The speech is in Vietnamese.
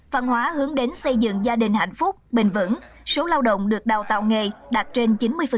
văn hóa hướng đến xây dựng gia đình hạnh phúc bền vững số lao động được đào tạo nghề đạt trên chín mươi